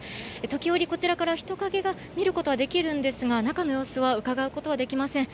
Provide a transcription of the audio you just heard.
時折、こちらから人影が見ることはできるんですが、中の様子はうかがうことはできません。